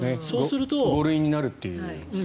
５類になるというね。